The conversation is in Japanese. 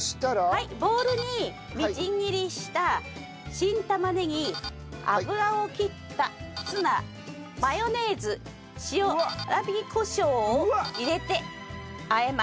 はいボールにみじん切りした新玉ねぎ油を切ったツナマヨネーズ塩粗挽きコショウを入れて和えます。